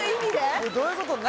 どういうこと？